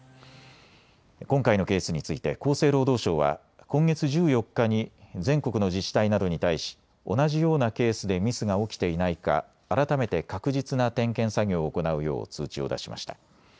今回のケースについて厚生労働省は今月１４日に全国の自治体などに対し同じようなケースでミスが起きていないか改めて確実な点検作業を行うよう通知を出しました。